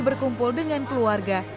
berkumpul dengan keluarga